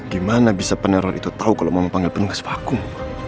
gimana bisa peneror itu tau kalo mama panggil penunggas vakum